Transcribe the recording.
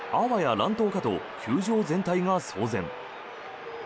乱闘かと球場全体が騒然。